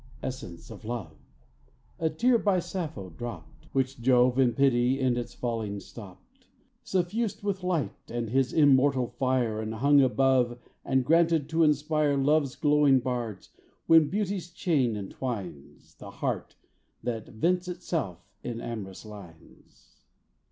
Essence of love a tear by Sappho dropped, Which Jove, in pity, in its falling stopped, Suffused with light and his immortal fire And hung above and granted to inspire Love's glowing bards, when beauty's chain entwines The heart that vents itself in am'rous lines.